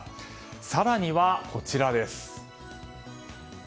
更には、こちらです。